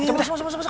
masuk masuk masuk